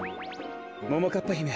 ももかっぱひめ